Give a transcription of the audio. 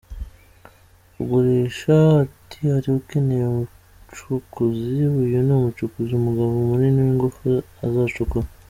Ugurisha ati “Hari ukeneye umucukuzi? Uyu ni umucukuzi, umugabo munini w’ingufu, azacukura.